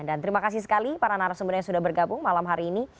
dan terima kasih sekali para narasumber yang sudah bergabung malam hari ini